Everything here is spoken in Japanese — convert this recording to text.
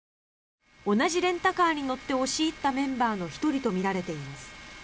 同じレンタカーに乗って押し入ったメンバーの１人とみられています。